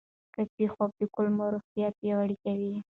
کافي خوب د کولمو روغتیا پیاوړې کوي.